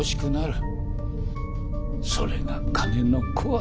それが金の怖さよ。